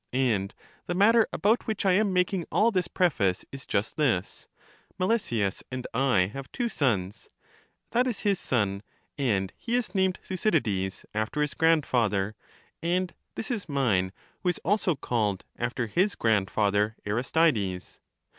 And the matter about which I am making all this preface is just this: Me lesias and I have two sons; that is his son, and he is named Thucydides, after his grandfather; and this is mine, who is also called, after his grandfather, Aris tides.